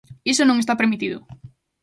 Iso non está permitido.